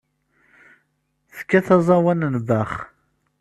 Tekkat aẓawan n Bach.